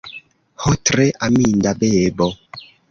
Ho, tre aminda bebo!